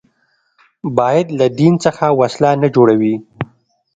باید له دین څخه وسله نه جوړوي